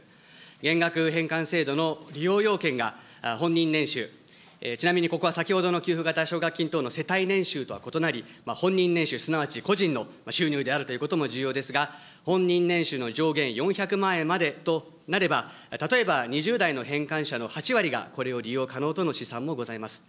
減額返還制度の利用要件が、本人年収、ちなみにここは先ほどの給付型奨学金等の世帯年収とは異なり、本人年収すなわち個人の収入であるということも重要ですが、本人年収の上限４００万円までとなれば、例えば２０代の返還者の８割がこれを利用可能との試算もございます。